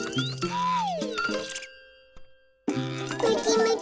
はい！